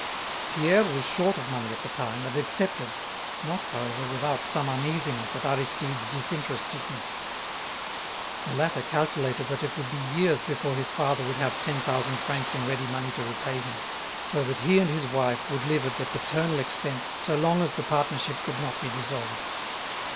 Pierre was short of money at the time, and accepted, not, however, without some uneasiness at Aristide's disinterestedness. The latter calculated that it would be years before his father would have ten thousand francs in ready money to repay him, so that he and his wife would live at the paternal expense so long as the partnership could not be dissolved.